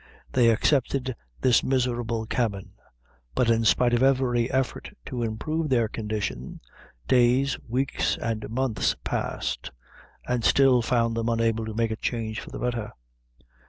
They accepted this miserable cabin; but in spite of every effort to improve their condition, days, weeks, and months passed, and still found them unable to make a change for the better.